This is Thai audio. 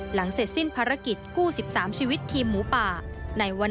หลังเสด้สิ้นภารกิจกู้๑๓ชีวีตทีมหมูปากลับบ้านสามารถผมบ้านด้วย